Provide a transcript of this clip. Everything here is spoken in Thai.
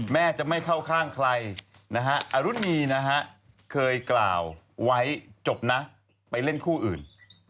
แม่จะไม่เข้าข้างใครนะฮะอรุณีนะฮะเคยกล่าวไว้จบนะไปเล่นคู่อื่น